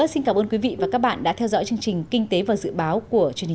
xin cảm ơn và kính chào tạm biệt